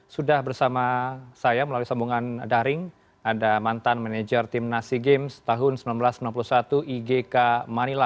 sudah bersama saya melalui sambungan daring ada mantan manajer tim nasi games tahun seribu sembilan ratus sembilan puluh satu igk manila